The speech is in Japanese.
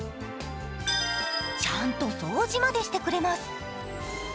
ちゃんと掃除までしてくれます。